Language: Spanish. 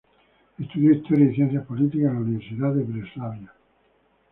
Estudió Historia y Ciencias Políticas en la Universidad de Breslavia.